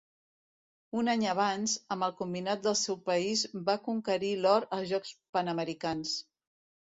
Un any abans, amb el combinat del seu país va conquerir l'or als Jocs Panamericans.